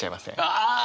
ああ！